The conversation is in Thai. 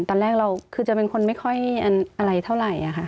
ตอนแรกเราคือจะเป็นคนไม่ค่อยอะไรเท่าไหร่ค่ะ